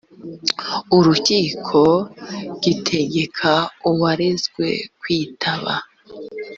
urukiko gitegeka uwarezwe kwitaba